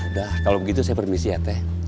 udah kalau begitu saya permisi ya teh